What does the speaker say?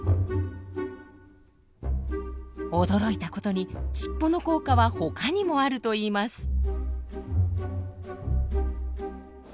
驚いたことに尻尾の効果は他にもあるといいます。